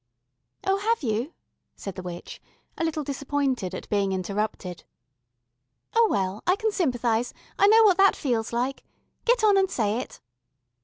"Oh, have you?" said the witch, a little disappointed at being interrupted. "Oh, well, I can sympathise, I know what that feels like. Get on and say it."